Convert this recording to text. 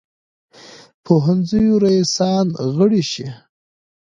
پوهنځیو رییسان غړي شي.